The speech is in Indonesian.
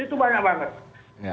itu banyak sekali